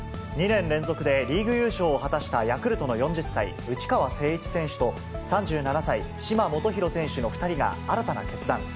２年連続でリーグ優勝を果たしたヤクルトの４０歳、内川聖一選手と、３７歳、嶋基宏選手の２人が、新たな決断。